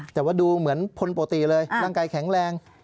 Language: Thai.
แต่ว่าดูเหมือนคนปกติเลยร่างกายแข็งแรง